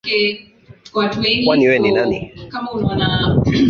Kwani we ni nani?